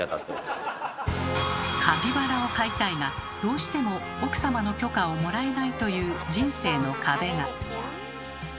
カピバラを飼いたいがどうしても奥様の許可をもらえないという人生の壁が。